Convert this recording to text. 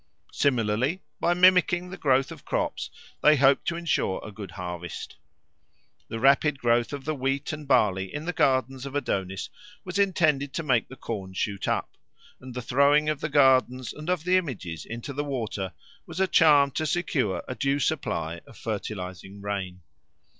Similarly, by mimicking the growth of crops they hope to ensure a good harvest. The rapid growth of the wheat and barley in the gardens of Adonis was intended to make the corn shoot up; and the throwing of the gardens and of the images into the water was a charm to secure a due supply of fertilising rain.